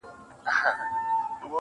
پر ښايستوكو سترگو_